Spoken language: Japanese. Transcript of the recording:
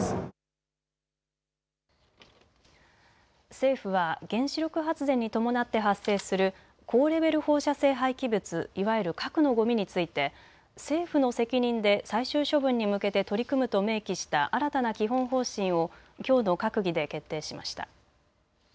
政府は原子力発電に伴って発生する高レベル放射性廃棄物いわゆる核のごみについて政府の責任で最終処分に向けて取り組むと明記した新たな基本方針をきょうの閣議で決定しました。